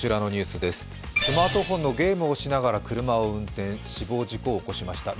スマートフォンのゲームをしながら車を運転、死亡事故を起こしました。